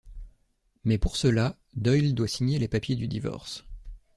Mais pour cela, Doyle doit signer les papiers du divorce.